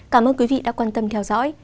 cảm ơn quý vị đã quan tâm theo dõi